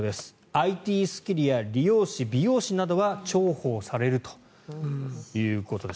ＩＴスキルや理容師美容師などは重宝されるということです。